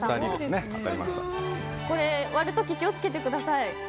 これ、割る時気を付けてください。